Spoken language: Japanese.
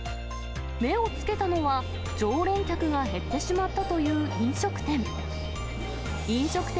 目をつけたのは、常連客が減ってしまったという飲食店。